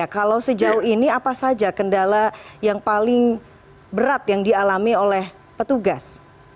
kalau sejauh ini apa saja kendala yang paling berat yang dialami oleh petugas